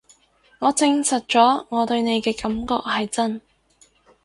我證實咗我對你嘅感覺係真